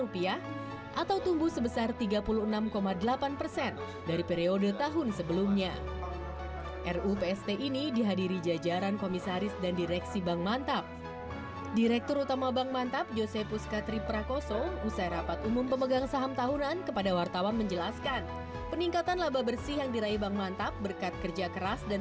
pembangunan pembangunan pembangunan